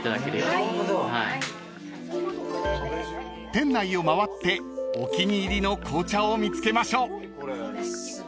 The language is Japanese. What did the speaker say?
［店内を回ってお気に入りの紅茶を見つけましょう］